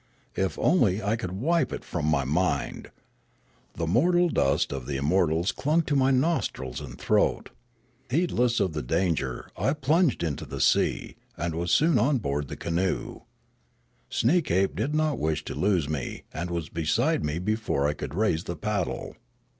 If only I could wipe it from the mind ! The mortal dust of the im mortals clung to my nostrils and throat. Heedless of the danger I plunged into the sea, and was soon on board the canoe. Sneekape did not wish to lose me, and was beside me before I could raise the paddle.